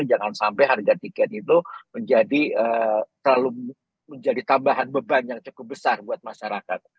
jangan sampai harga tiket itu menjadi terlalu menjadi tambahan beban yang cukup besar buat masyarakat